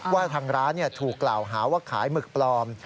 ว่าทางร้านถูกกล่าวหาว่าขายหมึกปลอม